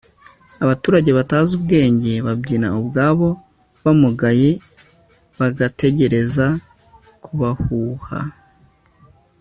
abaturage batazi ubwenge babyina ubwabo bamugaye bagategereza kubahuha